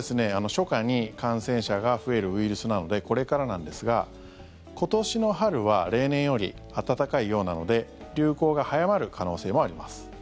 初夏に感染者が増えるウイルスなのでこれからなんですが今年の春は例年より暖かいようなので流行が早まる可能性もあります。